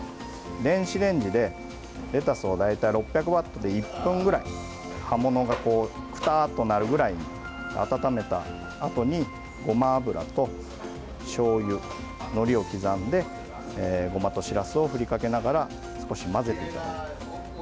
電子レンジで、レタスを大体６００ワットで１分ぐらい葉物がくたっとなるぐらいに温めたあとにごま油としょうゆ、のりを刻んでごまとしらすをふりかけながら少し混ぜていただいて。